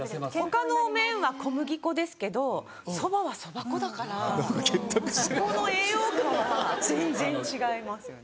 他の麺は小麦粉ですけどそばはそば粉だからそこの栄養価は全然違いますよね。